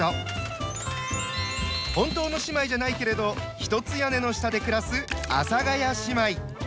本当の姉妹じゃないけれど一つ屋根の下で暮らす「阿佐ヶ谷姉妹」。